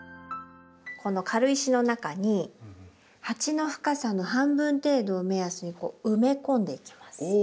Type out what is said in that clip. この軽石の中に鉢の深さの半分程度を目安にこう埋め込んでいきます。